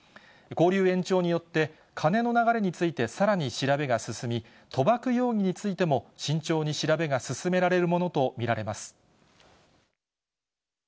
勾留延長によって、金の流れについてさらに調べが進み、賭博容疑についても慎重に調べが進められるものと見られます。